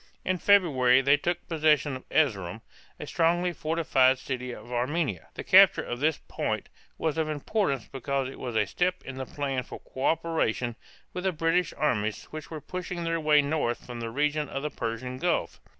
In February they took possession of Erz´erum, a strongly fortified city of Armenia. The capture of this point was of importance because it was a step in the plan for coöperation with the British armies which were pushing their way north from the region of the Persian Gulf.